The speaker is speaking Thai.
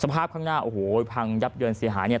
ภาพข้างหน้าโอ้โหพังยับเยินเสียหายเนี่ย